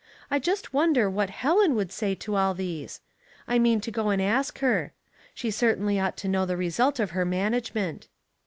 I just won der what Helen would say to all these ? I mean to go and ask her. She certainly ought to know the result of her management."